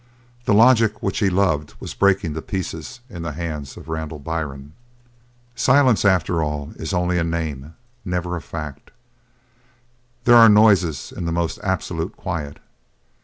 The logic which he loved was breaking to pieces in the hands of Randall Byrne. Silence, after all, is only a name, never a fact. There are noises in the most absolute quiet.